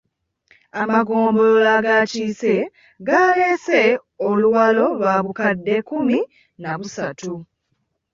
Amagombolola agakiise galeese oluwalo lwa bukadde kkumi na busatu.